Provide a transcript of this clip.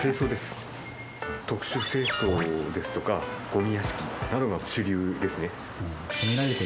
特殊清掃ですとかゴミ屋敷などが主流ですね